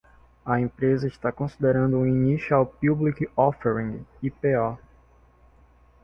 A empresa está considerando um Initial Public Offering (IPO).